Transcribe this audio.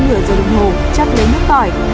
trong nửa giờ đồng hồ chấp lấy nước tỏi